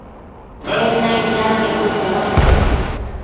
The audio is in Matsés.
En naicnid anquebudquionon